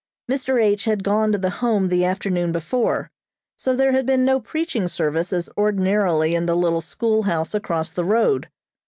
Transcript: Mr. H. had gone to the Home the afternoon before, so there had been no preaching service as ordinarily in the little schoolhouse across the road.